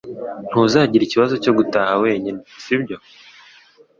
Ntuzagira ikibazo cyo gutaha wenyine sibyo